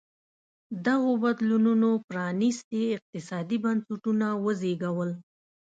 دغو بدلونونو پرانېستي اقتصادي بنسټونه وزېږول.